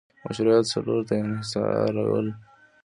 مشروعیت څلورو ته انحصارول